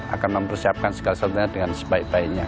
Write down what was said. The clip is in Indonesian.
akan mempersiapkan segala sesuatunya dengan sebaik baiknya